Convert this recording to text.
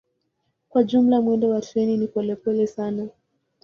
Kwa jumla mwendo wa treni ni polepole sana.